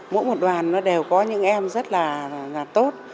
mỗi một đoàn nó đều có những em rất là tốt